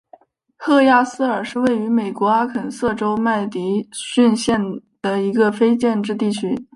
赫亚尔思是位于美国阿肯色州麦迪逊县的一个非建制地区。